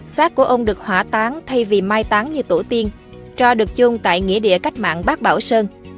sát của ông được hỏa tán thay vì mai tán như tổ tiên trò được chôn tại nghĩa địa cách mạng bác bảo sơn